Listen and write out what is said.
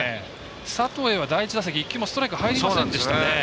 佐藤へは第１打席、１球もストライク入りませんでした。